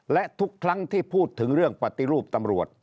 และทุกครั้งที่พูดถึงเรื่องปฏิรูปตำรวจ